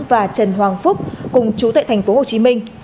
và trần hoàng phúc cùng chú tại thành phố hồ chí minh